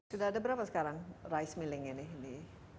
sudah ada berapa sekarang rice milling ini di